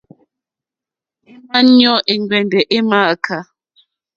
È mà ɲɔ́ è ŋgbɛ̀ndɛ̀ è mááká.